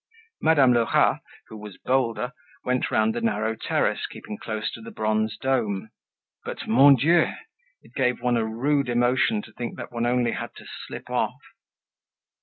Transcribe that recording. Madame Lerat, who was bolder, went round the narrow terrace, keeping close to the bronze dome; but, mon Dieu, it gave one a rude emotion to think that one only had to slip off.